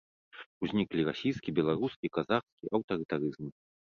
Узніклі расійскі, беларускі, казахскі аўтарытарызмы.